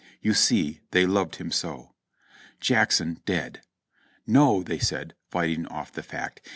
You see they loved him so ! "Jackson dead." "No!" they said, fighting off the fact.